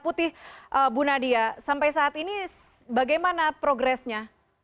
putih bu nadia sampai saat ini bagaimana progresnya